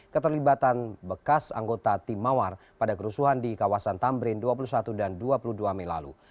keterlibatan bekas anggota tim mawar pada kerusuhan di kawasan tamrin dua puluh satu dan dua puluh dua mei lalu